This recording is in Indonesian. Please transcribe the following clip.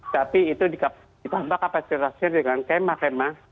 tapi itu ditambah kapasitasnya dengan kema kema